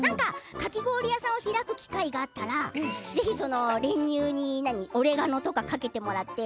かき氷屋さんも開く機会があったら練乳にオレガノとかかけてもらって。